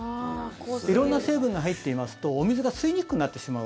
色んな成分が入ってますとお水が吸いにくくなってしまう。